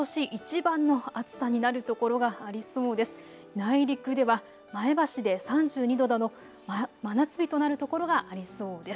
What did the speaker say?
内陸では前橋で３２度などの真夏日となる所がありそうです。